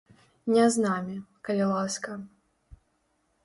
Не з намі, калі ласка.